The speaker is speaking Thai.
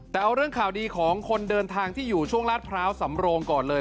แต่เอาเรื่องข่าวดีของคนเดินทางที่อยู่ช่วงลาดพร้าวสำโรงก่อนเลย